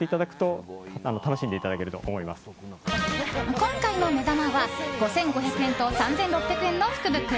今回の目玉は５５００円と３６００円の福袋。